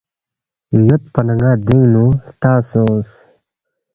یودپا نہ ن٘ا دینگ نُو ہلتا سونگس